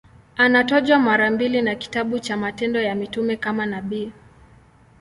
Anatajwa mara mbili na kitabu cha Matendo ya Mitume kama nabii.